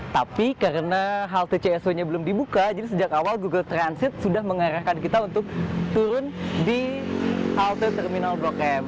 tapi karena halte csw nya belum dibuka jadi sejak awal google transit sudah mengarahkan kita untuk turun di halte terminal blok m